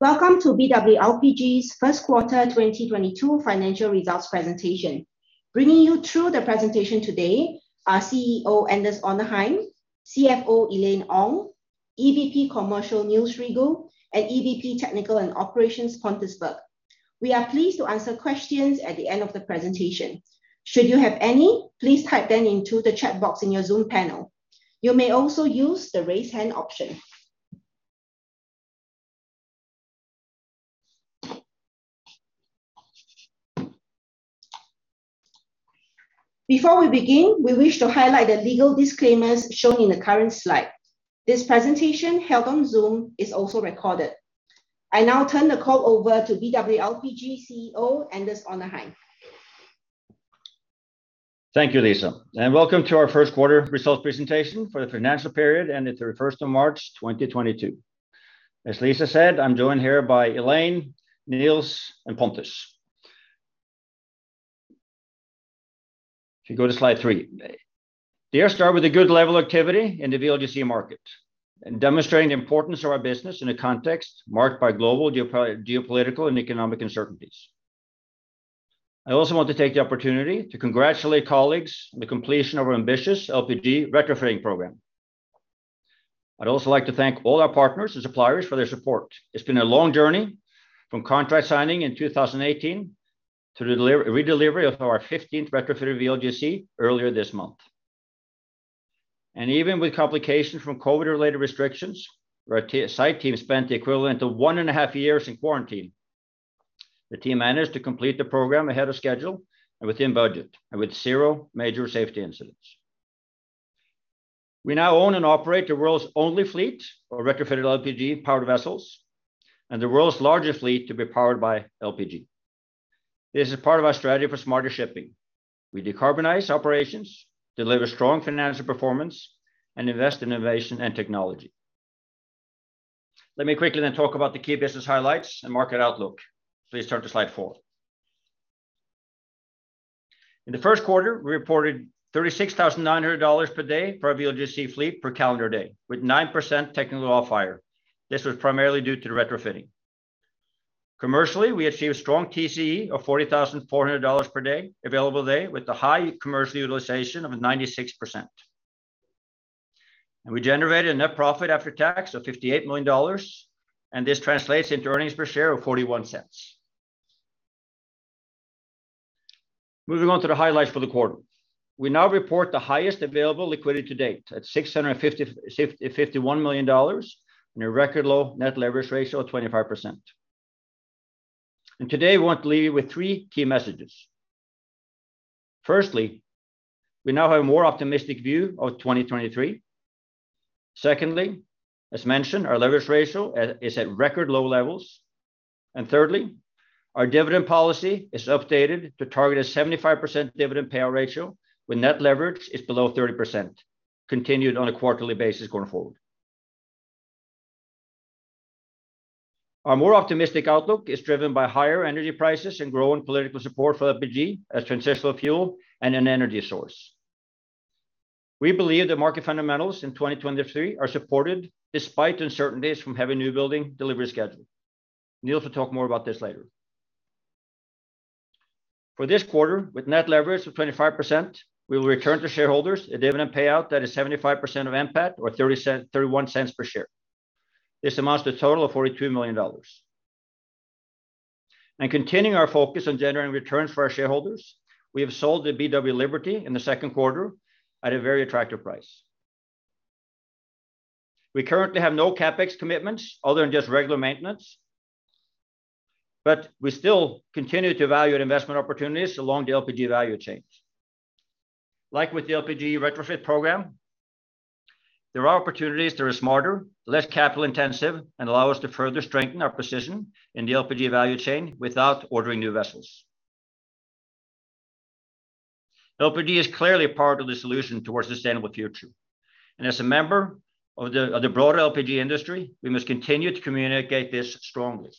Welcome to BW LPG's First Quarter 2022 Financial Results Presentation. Bringing you through the presentation today are CEO Anders Onarheim, CFO Elaine Ong, EVP Commercial Niels Rigault, and EVP Technical and Operations Pontus Berg. We are pleased to answer questions at the end of the presentation. Should you have any, please type them into the chat box in your Zoom panel. You may also use the raise hand option. Before we begin, we wish to highlight the legal disclaimers shown in the current slide. This presentation, held on Zoom, is also recorded. I now turn the call over to BW LPG's CEO Anders Onarheim. Thank you, Lisa, and welcome to our First Quarter Results Presentation for the financial period ended 31st of March 2022. As Lisa said, I'm joined here by Elaine, Niels, and Pontus. If you go to slide three. The year started with a good level of activity in the VLGC market and demonstrating the importance of our business in a context marked by global geopolitical and economic uncertainties. I also want to take the opportunity to congratulate colleagues on the completion of our ambitious LPG retrofitting program. I'd also like to thank all our partners and suppliers for their support. It's been a long journey from contract signing in 2018 to the re-delivery of our 15th retrofitted VLGC earlier this month. Even with complications from COVID-related restrictions, where our on-site team spent the equivalent of one and a half years in quarantine, the team managed to complete the program ahead of schedule and within budget, and with zero major safety incidents. We now own and operate the world's only fleet of retrofitted LPG-powered vessels and the world's largest fleet to be powered by LPG. This is part of our strategy for smarter shipping. We decarbonize operations, deliver strong financial performance, and invest in innovation and technology. Let me quickly then talk about the key business highlights and market outlook. Please turn to Slide four. In the first quarter, we reported $36,900 per day for our VLGC fleet per calendar day, with 9% technical off hire. This was primarily due to the retrofitting. Commercially, we achieved strong TCE of $40,400 per day, available day, with a high commercial utilization of 96%. We generated a net profit after tax of $58 million, and this translates into Earnings Per Share of $0.41. Moving on to the highlights for the quarter. We now report the highest available liquidity to date at $651 million and a record low net leverage ratio of 25%. Today, we want to leave you with three key messages. Firstly, we now have a more optimistic view of 2023. Secondly, as mentioned, our leverage ratio is at record low levels. Thirdly, our dividend policy is updated to target a 75% dividend payout ratio when net leverage is below 30%, continued on a quarterly basis going forward. Our more optimistic outlook is driven by higher energy prices and growing political support for LPG as transitional fuel and an energy source. We believe the market fundamentals in 2023 are supported despite uncertainties from heavy new building delivery schedule. Niels will talk more about this later. For this quarter, with net leverage of 25%, we will return to shareholders a dividend payout that is 75% of NPAT or $0.31 per share. This amounts to a total of $42 million. Continuing our focus on generating returns for our shareholders, we have sold the BW Liberty in the second quarter at a very attractive price. We currently have no CapEx commitments other than just regular maintenance, but we still continue to evaluate investment opportunities along the LPG value chains. Like with the LPG retrofit program, there are opportunities that are smarter, less capital intensive, and allow us to further strengthen our position in the LPG value chain without ordering new vessels. LPG is clearly a part of the solution towards a sustainable future, and as a member of the broader LPG industry, we must continue to communicate this strongly.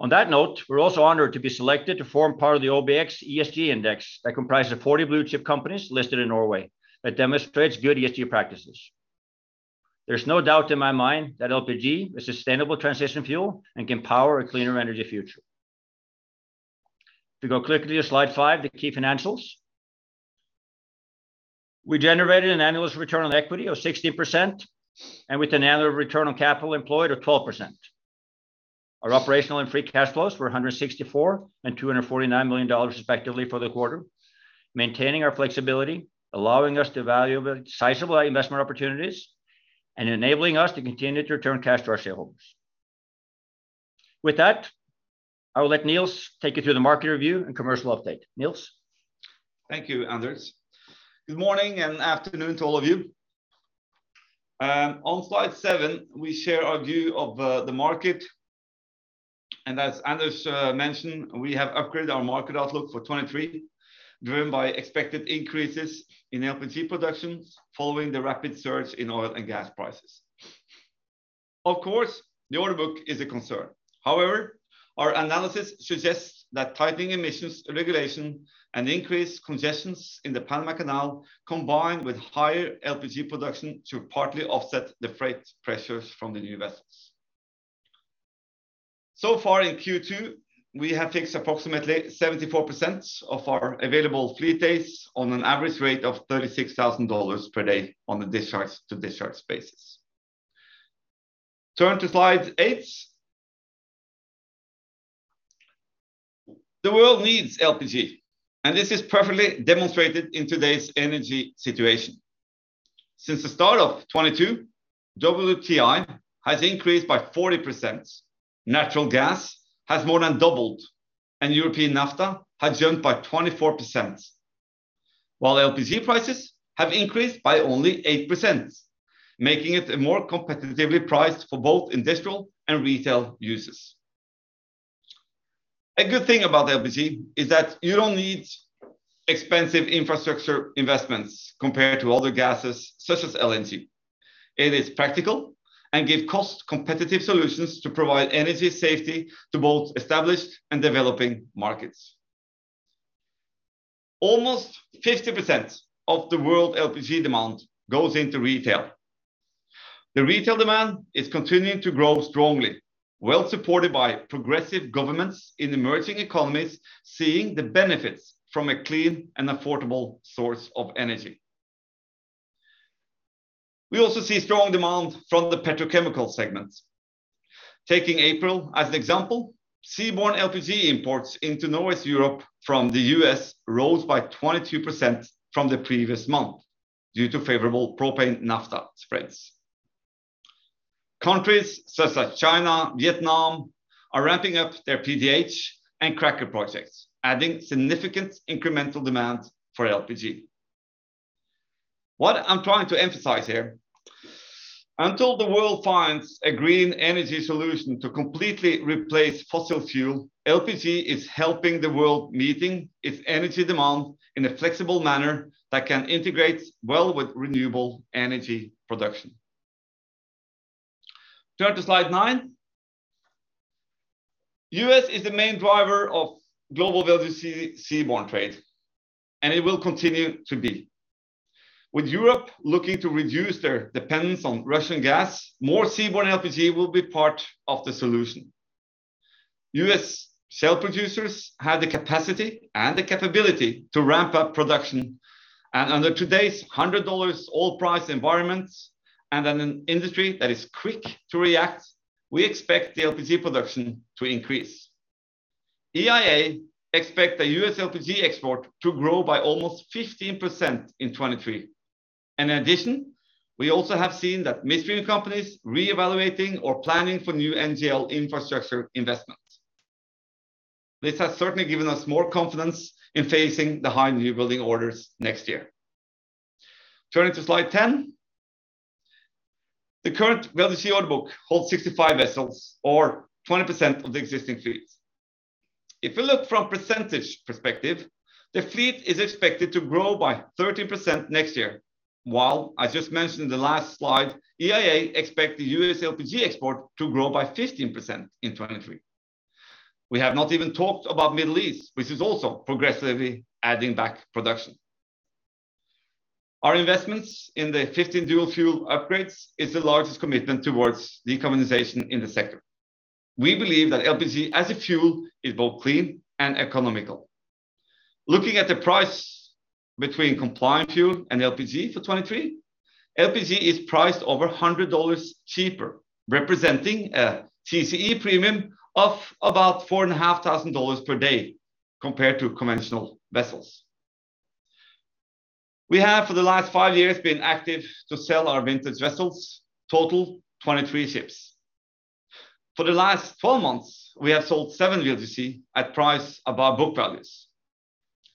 On that note, we're also honored to be selected to form part of the OBX ESG Index that comprises of 40 blue chip companies listed in Norway that demonstrates good ESG practices. There's no doubt in my mind that LPG is a sustainable transition fuel and can power a cleaner energy future. If you go quickly to slide five, the key financials. We generated an annual return on equity of 16% and with an annual return on capital employed of 12%. Our operational and free cash flows were $164 million and $249 million respectively for the quarter, maintaining our flexibility, allowing us to evaluate sizable investment opportunities, and enabling us to continue to return cash to our shareholders. With that, I will let Niels take you through the market review and commercial update. Niels. Thank you, Anders. Good morning and afternoon to all of you. On slide seven, we share our view of the market. As Anders mentioned, we have upgraded our market outlook for 2023, driven by expected increases in LPG production following the rapid surge in oil and gas prices. Of course, the order book is a concern. However, our analysis suggests that tightening emissions regulation and increased congestions in the Panama Canal, combined with higher LPG production, should partly offset the freight pressures from the new vessels. So far in Q2, we have fixed approximately 74% of our available fleet days on an average rate of $36,000 per day on the discharge-to-discharge basis. Turn to slide eight. The world needs LPG, and this is perfectly demonstrated in today's energy situation. Since the start of 2022, WTI has increased by 40%, natural gas has more than doubled, and European naphtha has jumped by 24%, while LPG prices have increased by only 8%, making it more competitively priced for both industrial and retail users. A good thing about LPG is that you don't need expensive infrastructure investments compared to other gases such as LNG. It is practical and give cost competitive solutions to provide energy safety to both established and developing markets. Almost 50% of the world LPG demand goes into retail. The retail demand is continuing to grow strongly, well supported by progressive governments in emerging economies, seeing the benefits from a clean and affordable source of energy. We also see strong demand from the petrochemical segments. Taking April as an example, seaborne LPG imports into Northwest Europe from the U.S. rose by 22% from the previous month due to favorable propane naphtha spreads. Countries such as China, Vietnam are ramping up their PDH and cracker projects, adding significant incremental demand for LPG. What I'm trying to emphasize here, until the world finds a green energy solution to completely replace fossil fuel, LPG is helping the world meeting its energy demand in a flexible manner that can integrate well with renewable energy production. Turn to slide nine. U.S. is the main driver of global VLGC seaborne trade, and it will continue to be. With Europe looking to reduce their dependence on Russian gas, more seaborne LPG will be part of the solution. U.S. shale producers have the capacity and the capability to ramp up production. Under today's $100 oil price environments and an industry that is quick to react, we expect the LPG production to increase. EIA expect the U.S. LPG export to grow by almost 15% in 2023. In addition, we also have seen that midstream companies reevaluating or planning for new NGL infrastructure investments. This has certainly given us more confidence in facing the high new building orders next year. Turning to slide 10. The current VLGC order book holds 65 vessels or 20% of the existing fleet. If you look from percentage perspective, the fleet is expected to grow by 13% next year. While I just mentioned the last slide, EIA expect the U.S. LPG export to grow by 15% in 2023. We have not even talked about Middle East, which is also progressively adding back production. Our investments in the 15 dual fuel upgrades is the largest commitment towards decarbonization in the sector. We believe that LPG as a fuel is both clean and economical. Looking at the price between compliant fuel and LPG for 2023, LPG is priced over $100 cheaper, representing a TCE premium of about $4,500 per day compared to conventional vessels. We have, for the last five years, been active to sell our vintage vessels, total 23 ships. For the last 12 months, we have sold seven VLGC at price above book values.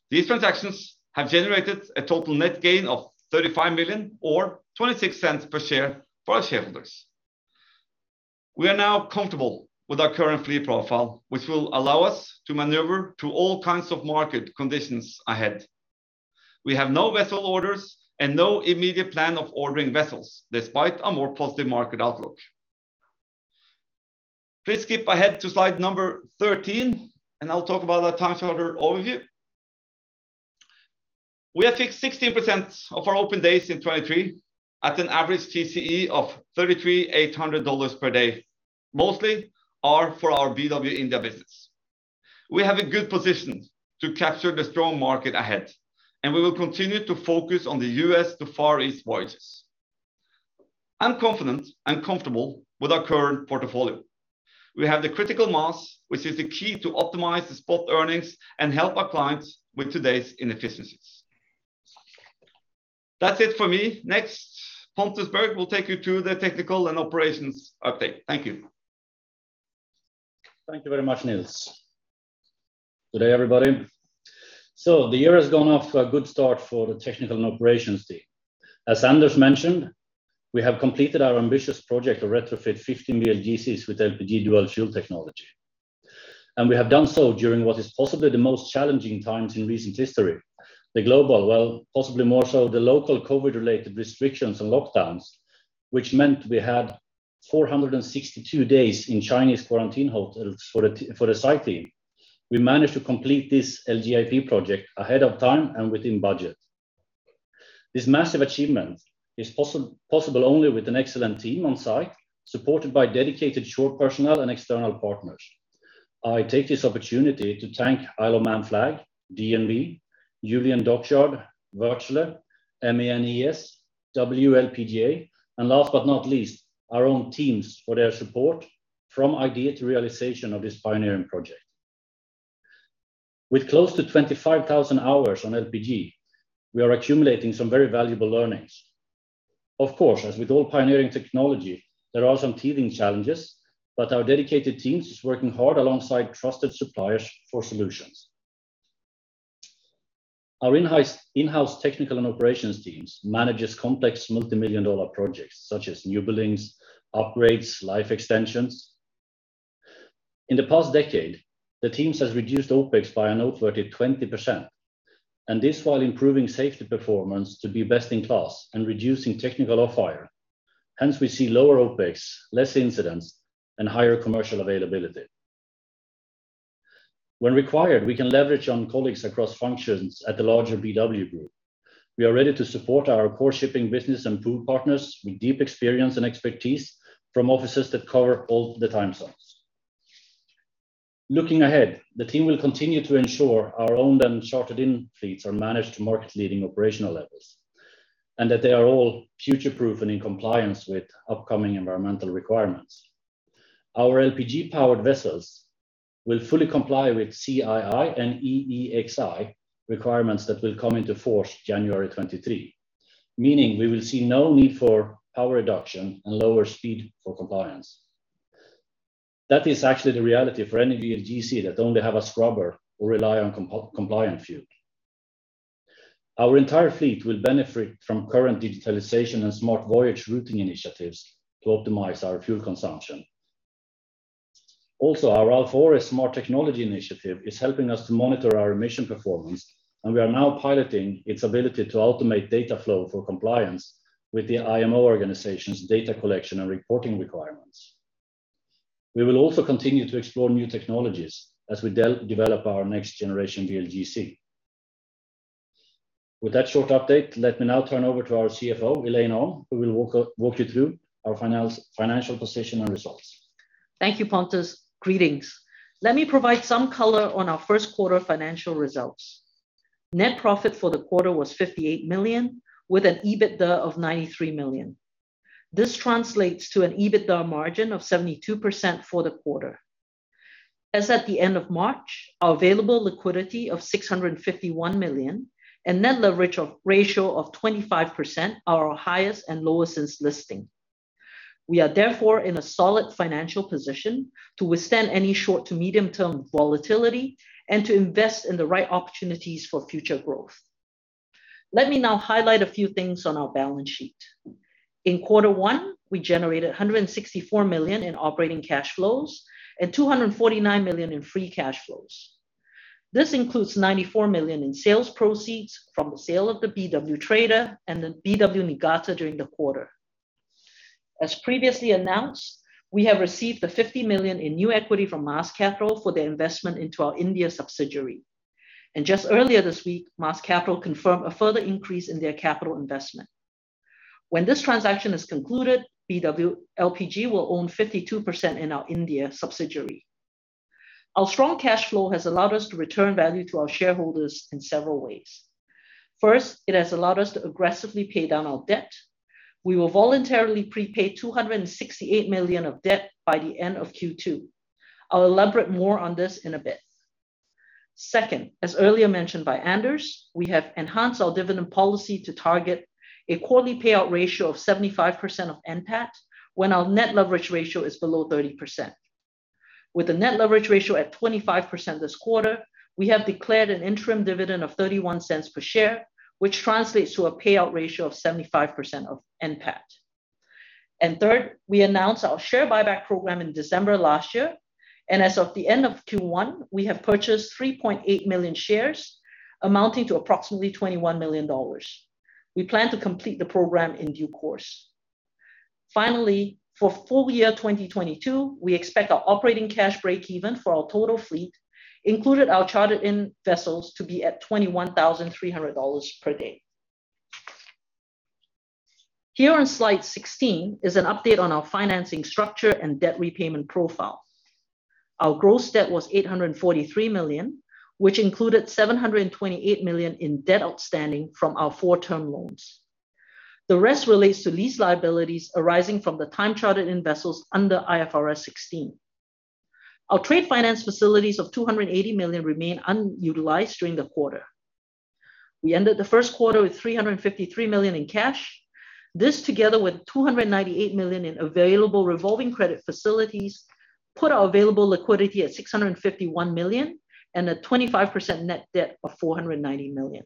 These transactions have generated a total net gain of $35 million or $0.26 per share for our shareholders. We are now comfortable with our current fleet profile, which will allow us to maneuver through all kinds of market conditions ahead. We have no vessel orders and no immediate plan of ordering vessels despite a more positive market outlook. Please skip ahead to slide number 13, and I'll talk about our time charter overview. We have fixed 16% of our open days in 2023 at an average TCE of $33,800 per day. Mostly are for our BW LPG India business. We have a good position to capture the strong market ahead, and we will continue to focus on the U.S. to Far East voyages. I'm confident and comfortable with our current portfolio. We have the critical mass, which is the key to optimize the spot earnings and help our clients with today's inefficiencies. That's it for me. Next, Pontus Berg will take you through the technical and operations update. Thank you. Thank you very much, Niels. Good day, everybody. The year has gone off to a good start for the technical and operations team. As Anders mentioned, we have completed our ambitious project to retrofit 15 VLGCs with LPG dual fuel technology. We have done so during what is possibly the most challenging times in recent history. The global, well, possibly more so the local, COVID-related restrictions and lockdowns, which meant we had 462 days in Chinese quarantine hotels for the site team. We managed to complete this LGIP project ahead of time and within budget. This massive achievement is possible only with an excellent team on site, supported by dedicated shore personnel and external partners. I take this opportunity to thank Isle of Man Ship Registry, DNV, Julian Dockyard, Wärtsilä, MAN ES, WLPGA, and last but not least, our own teams for their support from idea to realization of this pioneering project. With close to 25,000 hours on LPG, we are accumulating some very valuable learnings. Of course, as with all pioneering technology, there are some teething challenges, but our dedicated teams is working hard alongside trusted suppliers for solutions. Our in-house technical and operations teams manages complex multimillion-dollar projects such as new buildings, upgrades, life extensions. In the past decade, the teams has reduced OpEx by a noteworthy 20%, and this while improving safety performance to be best in class and reducing technical off hire. Hence, we see lower OpEx, less incidents, and higher commercial availability. When required, we can leverage on colleagues across functions at the larger BW Group. We are ready to support our core shipping business and pool partners with deep experience and expertise from offices that cover all the time zones. Looking ahead, the team will continue to ensure our owned and chartered in fleets are managed to market-leading operational levels, and that they are all future-proof and in compliance with upcoming environmental requirements. Our LPG-powered vessels will fully comply with CII and EEXI requirements that will come into force January 2023, meaning we will see no need for power reduction and lower speed for compliance. That is actually the reality for any VLGC that only have a scrubber or rely on IMO-compliant fuel. Our entire fleet will benefit from current digitalization and smart voyage routing initiatives to optimize our fuel consumption. Also, our Alpha Ori Smart Technology initiative is helping us to monitor our emission performance, and we are now piloting its ability to automate data flow for compliance with the IMO Organization's data collection and reporting requirements. We will also continue to explore new technologies as we develop our next generation VLGC. With that short update, let me now turn over to our CFO, Elaine Ong, who will walk you through our financial position and results. Thank you, Pontus. Greetings. Let me provide some color on our first quarter financial results. Net profit for the quarter was $58 million, with an EBITDA of $93 million. This translates to an EBITDA margin of 72% for the quarter. As at the end of March, our available liquidity of $651 million and net leverage ratio of 25% are our highest and lowest since listing. We are therefore in a solid financial position to withstand any short to medium term volatility and to invest in the right opportunities for future growth. Let me now highlight a few things on our balance sheet. In quarter one, we generated $164 million in operating cash flows and $249 million in free cash flows. This includes $94 million in sales proceeds from the sale of the BW Trader and the BW Niigata during the quarter. As previously announced, we have received the $50 million in new equity from Maas Capital for their investment into our India subsidiary. Just earlier this week, Maas Capital confirmed a further increase in their capital investment. When this transaction is concluded, BW LPG will own 52% in our India subsidiary. Our strong cash flow has allowed us to return value to our shareholders in several ways. First, it has allowed us to aggressively pay down our debt. We will voluntarily prepay $268 million of debt by the end of Q2. I'll elaborate more on this in a bit. Second, as earlier mentioned by Anders, we have enhanced our dividend policy to target a quarterly payout ratio of 75% of NPAT when our net leverage ratio is below 30%. With a net leverage ratio at 25% this quarter, we have declared an interim dividend of $0.31 per share, which translates to a payout ratio of 75% of NPAT. Third, we announced our share buyback program in December last year, and as of the end of Q1, we have purchased 3.8 million shares, amounting to approximately $21 million. We plan to complete the program in due course. Finally, for full year 2022, we expect our operating cash break even for our total fleet, including our chartered-in vessels, to be at $21,300 per day. Here on slide 16 is an update on our financing structure and debt repayment profile. Our gross debt was $843 million, which included $728 million in debt outstanding from our four term loans. The rest relates to lease liabilities arising from the time chartered in vessels under IFRS 16. Our trade finance facilities of $280 million remain unutilized during the quarter. We ended the first quarter with $353 million in cash. This, together with $298 million in available revolving credit facilities, put our available liquidity at $651 million and a 25% net debt of $490 million.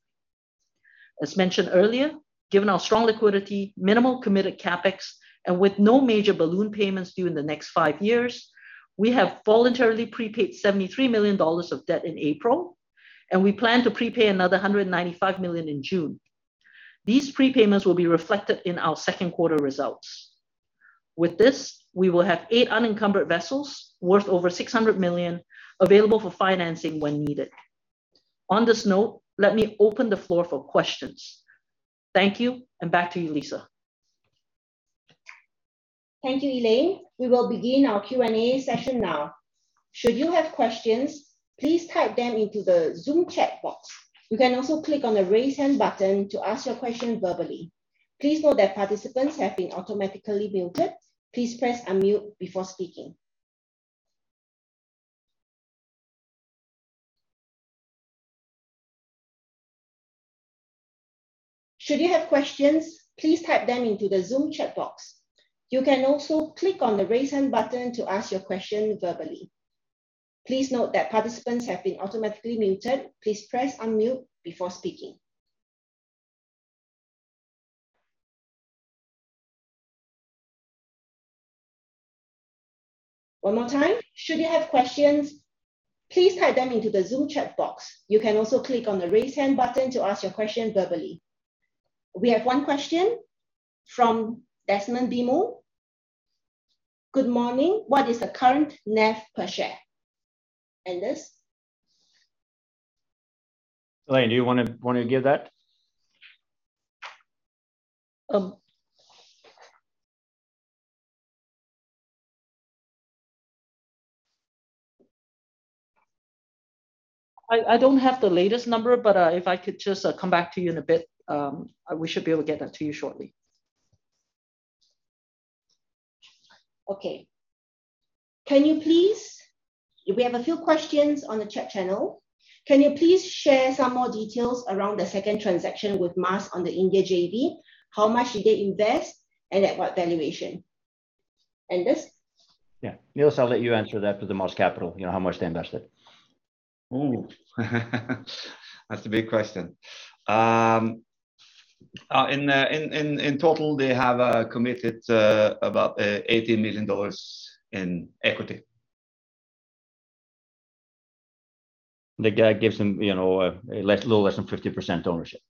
As mentioned earlier, given our strong liquidity, minimal committed CapEx, and with no major balloon payments due in the next five years, we have voluntarily prepaid $73 million of debt in April, and we plan to prepay another $195 million in June. These prepayments will be reflected in our second quarter results. With this, we will have eight unencumbered vessels worth over $600 million available for financing when needed. On this note, let me open the floor for questions. Thank you, and back to you, Lisa. Thank you, Elaine. We will begin our Q&A session now. Should you have questions, please type them into the Zoom chat box. You can also click on the Raise Hand button to ask your question verbally. Please note that participants have been automatically muted. Please press unmute before speaking. Should you have questions, please type them into the Zoom chat box. You can also click on the Raise Hand button to ask your question verbally. Please note that participants have been automatically muted. Please press unmute before speaking. One more time. Should you have questions, please type them into the Zoom chat box. You can also click on the Raise Hand button to ask your question verbally. We have one question from Desmond Bimo. Good morning. What is the current NAV per share? Anders. Elaine, do you wanna give that? I don't have the latest number, but if I could just come back to you in a bit, we should be able to get that to you shortly. We have a few questions on the chat channel. Can you please share some more details around the second transaction with Maas on the India JV? How much did they invest, and at what valuation? Anders. Yeah. Niels, I'll let you answer that for the Maas Capital, you know, how much they invested. Ooh. That's a big question. In total, they have committed about $80 million in equity. That guy gives them, you know, a little less than 50% ownership.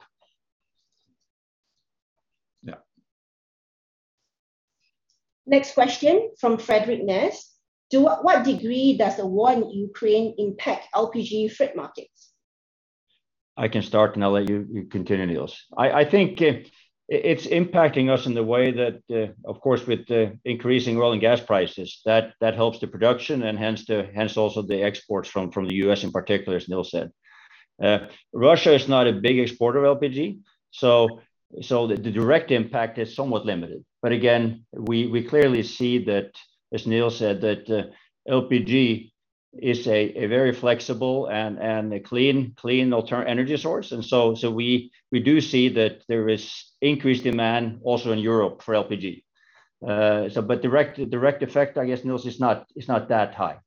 Yeah. Next question from Frederik Ness. To what degree does the war in Ukraine impact LPG freight markets? I can start, and I'll let you continue, Niels. I think it's impacting us in the way that of course with the increasing oil and gas prices, that helps the production and hence also the exports from the U.S. in particular, as Niels said. Russia is not a big exporter of LPG, so the direct impact is somewhat limited. We clearly see that, as Niels said, LPG is a very flexible and a clean energy source. We do see that there is increased demand also in Europe for LPG. But direct effect, I guess, Niels, is not that high.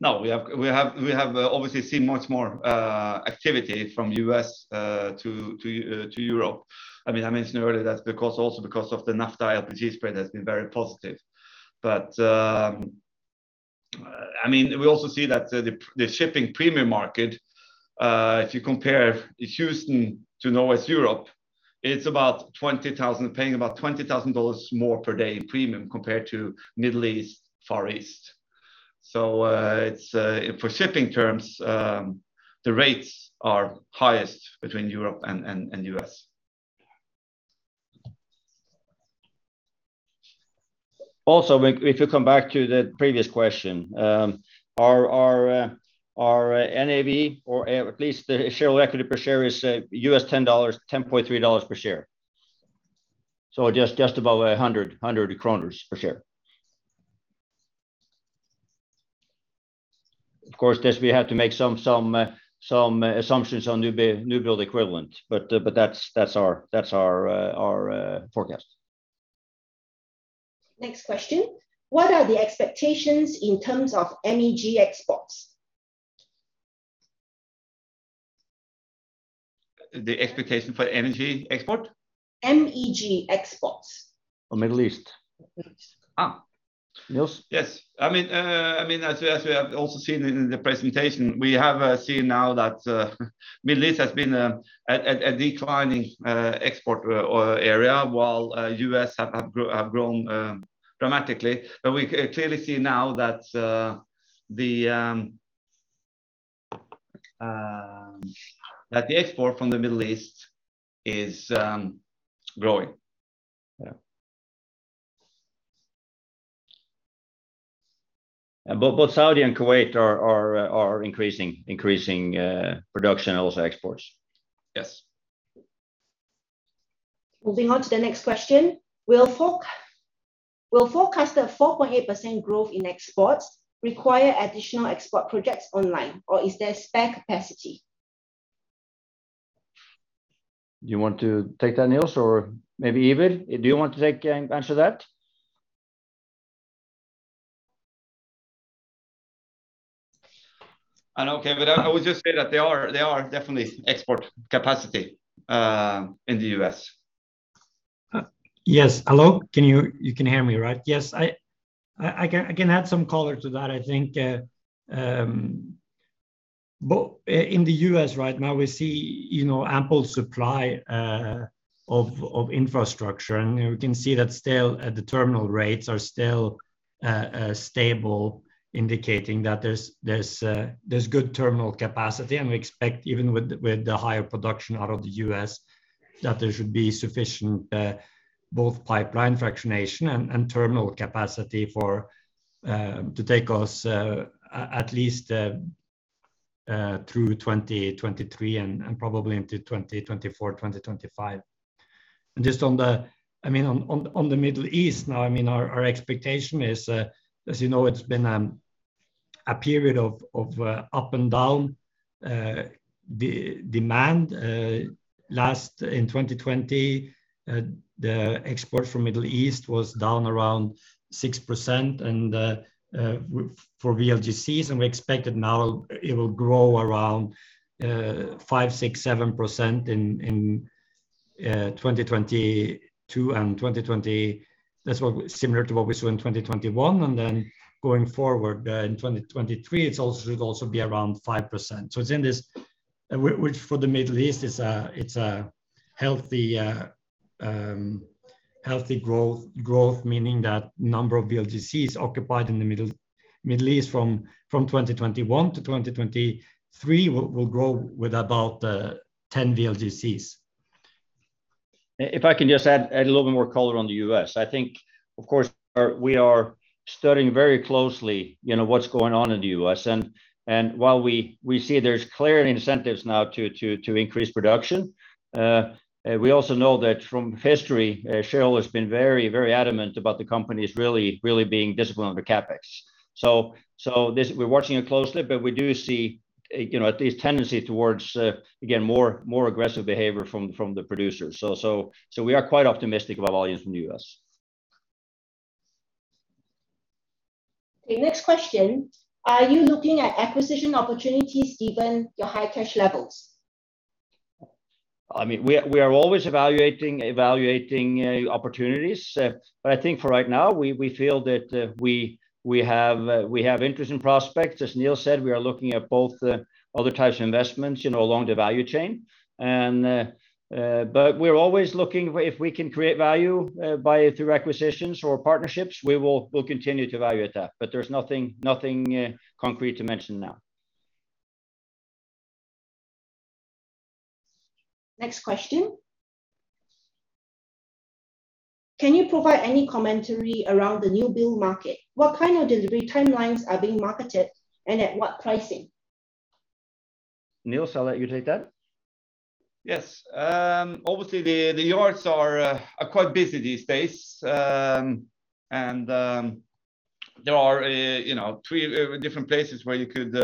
No. We have obviously seen much more activity from U.S. to Europe. I mean, I mentioned earlier that's because also because of the naphtha, LPG spread has been very positive. I mean, we also see that the shipping premium market, if you compare Houston to Northwest Europe, it's paying about $20,000 more per day in premium compared to Middle East, Far East. It's for shipping terms, the rates are highest between Europe and U.S. If you come back to the previous question, our NAV or at least the equity per share is $10, $10.3 per share. Just about 100 kroner per share. Of course, we have to make some assumptions on new build equivalent, but that's our forecast. Next question. What are the expectations in terms of MEG Exports? The expectation for energy export? MEG Exports. Oh, Middle East. Middle East. Niels? Yes. I mean, as we have also seen in the presentation, we have seen now that Middle East has been a declining export area, while U.S. have grown dramatically. We clearly see now that the export from the Middle East is growing. Yeah. Both Saudi and Kuwait are increasing production and also exports. Yes. Moving on to the next question. Will forecast a 4.8% growth in exports require additional export projects online, or is there spare capacity? Do you want to take that, Niels, or maybe Iver? Do you want to take and answer that? Okay, but I would just say that they are definitely export capacity in the U.S. Yes. Hello? Can you hear me, right? Yes. I can add some color to that. I think in the U.S. right now we see, you know, ample supply of infrastructure. We can see that still the terminal rates are still stable, indicating that there's good terminal capacity. We expect even with the higher production out of the U.S., that there should be sufficient both pipeline fractionation and terminal capacity to take us at least through 2023 and probably into 2024, 2025. Just on the Middle East now, I mean, our expectation is, as you know, it's been a period of up and down demand. In 2020, the export from Middle East was down around 6% for VLGCs, and we expect that now it'll grow around 5%, 6%, 7% in 2022 and 2020. That's similar to what we saw in 2021. Then going forward, in 2023, it will also be around 5%. In this which for the Middle East is a healthy growth, meaning that number of VLGCs occupied in the Middle East from 2021-2023 will grow with about 10 VLGCs. If I can just add a little bit more color on the U.S. I think of course we are studying very closely, you know, what's going on in the U.S. and while we see there's clear incentives now to increase production, we also know that from history, shale has been very adamant about the companies really being disciplined on the CapEx. So this, we're watching it closely, but we do see, you know, at least tendency towards again, more aggressive behavior from the producers. So we are quite optimistic about volumes from the U.S. Okay. Next question. Are you looking at acquisition opportunities given your high cash levels? I mean, we are always evaluating opportunities. I think for right now, we feel that we have interest in prospects. As Niels said, we are looking at both other types of investments, you know, along the value chain. We're always looking if we can create value through acquisitions or partnerships. We'll continue to evaluate that. There's nothing concrete to mention now. Next question. Can you provide any commentary around the new build market? What kind of delivery timelines are being marketed, and at what pricing? Niels, I'll let you take that. Yes. Obviously the yards are quite busy these days. There are, you know, three different places where you could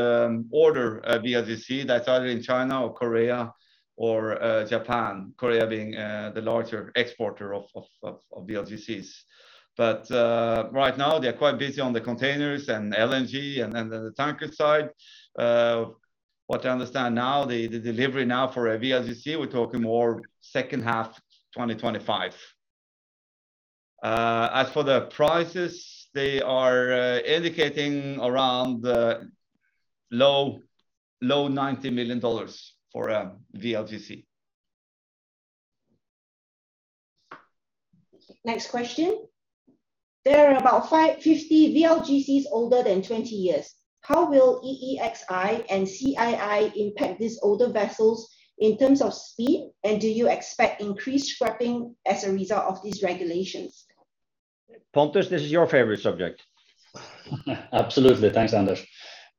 order a VLGC. That's either in China or Korea or Japan. Korea being the larger exporter of VLGCs. Right now they are quite busy on the containers and LNG and then the tanker side. What I understand now, the delivery now for a VLGC, we're talking more second half 2025. As for the prices, they are indicating around low $90 million for a VLGC. Next question. There are about 50 VLGCs older than 20 years. How will EEXI and CII impact these older vessels in terms of speed, and do you expect increased scrapping as a result of these regulations? Pontus, this is your favorite subject. Absolutely. Thanks, Anders.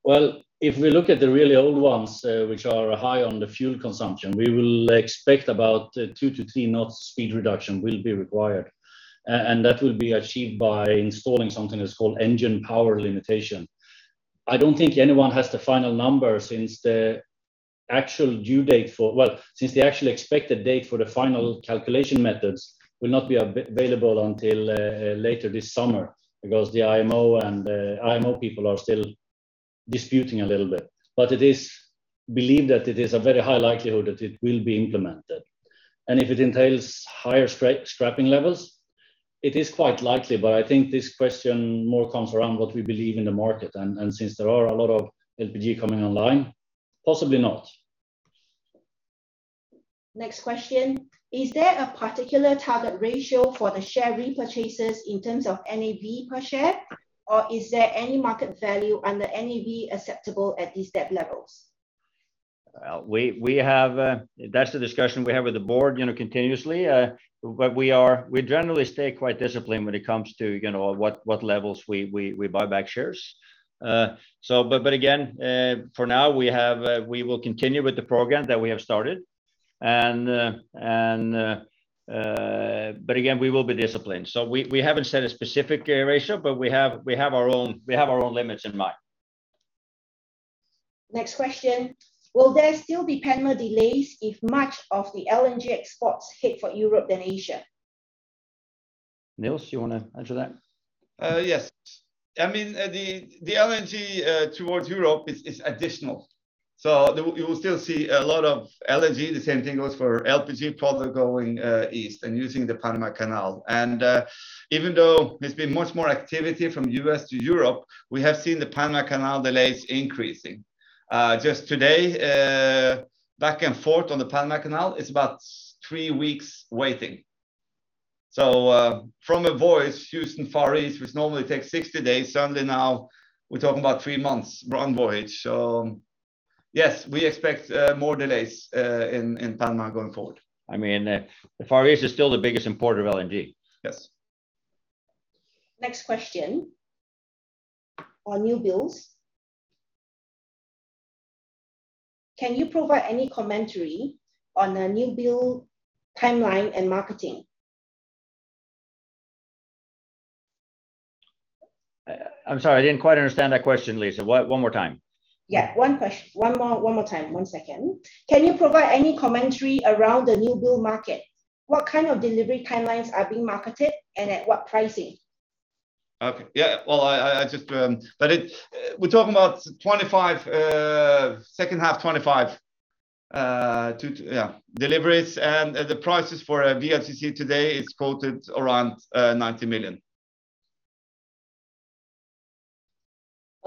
Well, if we look at the really old ones, which are high on the fuel consumption, we will expect about two-three knots speed reduction will be required. That will be achieved by installing something that's called Engine Power Limitation. I don't think anyone has the final number since the actual expected date for the final calculation methods will not be available until later this summer because the IMO people are still disputing a little bit. It is believed that it is a very high likelihood that it will be implemented. If it entails higher scrapping levels, it is quite likely, but I think this question more comes around what we believe in the market. Since there are a lot of LPG coming online, possibly not. Next question. Is there a particular target ratio for the share repurchases in terms of NAV per share, or is there any market value under NAV acceptable at these debt levels? Well, we have. That's the discussion we have with the board, you know, continuously. We generally stay quite disciplined when it comes to, you know, what levels we buy back shares. Again, for now we will continue with the program that we have started and, but again, we will be disciplined. We haven't set a specific ratio, but we have our own limits in mind. Next question. Will there still be Panama delays if much of the LNG exports head for Europe rather than Asia? Niels, you wanna answer that? Yes. I mean, the LNG towards Europe is additional. You will still see a lot of LNG. The same thing goes for LPG product going east and using the Panama Canal. Even though there's been much more activity from U.S. to Europe, we have seen the Panama Canal delays increasing. Just today, back and forth on the Panama Canal is about three weeks waiting. From a voyage, Houston-Far East, which normally takes 60 days, suddenly now we're talking about three months per voyage. Yes, we expect more delays in Panama going forward. I mean, the Far East is still the biggest importer of LNG. Yes. Next question on newbuilds. Can you provide any commentary on the newbuild timeline and marketing? I'm sorry, I didn't quite understand that question, Lisa. One more time. Yeah, one more time. One second. Can you provide any commentary around the newbuild market? What kind of delivery timelines are being marketed and at what pricing? We're talking about 25, second half 2025 to deliveries. The prices for a VLGC today is quoted around $90 million.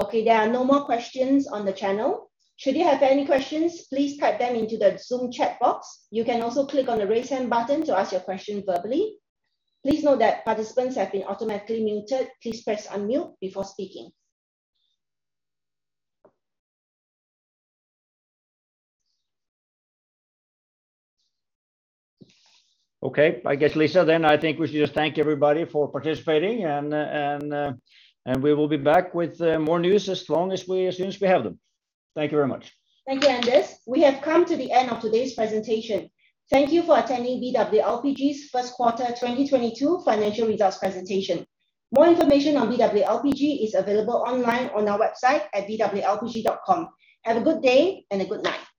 Okay, there are no more questions on the channel. Should you have any questions, please type them into the Zoom chat box. You can also click on the Raise Hand button to ask your question verbally. Please note that participants have been automatically muted. Please press Unmute before speaking. Okay. I guess, Lisa, then I think we should just thank everybody for participating, and we will be back with more news as soon as we have them. Thank you very much. Thank you, Anders. We have come to the end of today's presentation. Thank you for attending BW LPG's First Quarter 2022 Financial Results Presentation. More information on BW LPG is available online on our website at bwlpg.com. Have a good day and a good night.